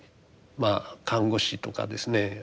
まあ看護師とかですね